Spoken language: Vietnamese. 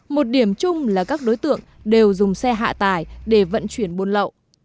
một điểm chung là các đối tượng đều dùng xe hạ tải để vận chuyển buôn lậu